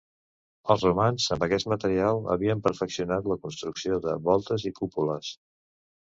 Els romans, amb aquest material, havien perfeccionat la construcció de voltes i cúpules.